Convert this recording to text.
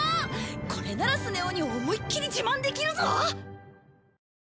これならスネ夫に思いっきり自慢できるぞ。